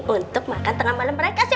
untuk makan tengah malam mereka sih